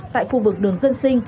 tại khu vực đường dân sinh